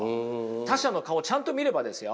他者の顔をちゃんと見ればですよ。